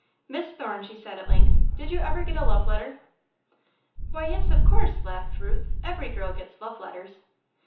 "Miss Thorne," she said, at length, "did you ever get a love letter?" "Why, yes, of course," laughed Ruth. "Every girl gets love letters."